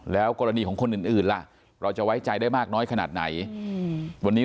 แล้วกรณีของคนอื่นเราจะไว้ใจได้มากน้อยขนาดไหน